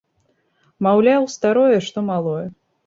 Маўляў, старое, што малое.